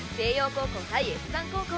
高校対越山高校